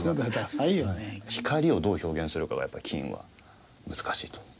光をどう表現するかがやっぱり金は難しいと。